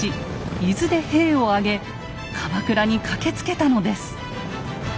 伊豆で兵を挙げ鎌倉に駆けつけたのです。